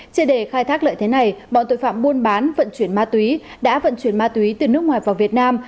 trên để khai thác lợi thế này bọn tội phạm buôn bán vận chuyển ma túy đã vận chuyển ma túy từ nước ngoài vào việt nam